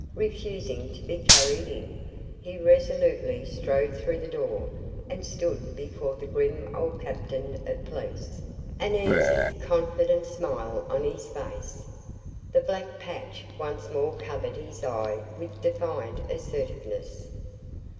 Refusing to be carried in, he resolutely strode through the door and stood before the grim old captain of police, an easy, confident smile on his face. The black patch once more covered his eye with defiant assertiveness.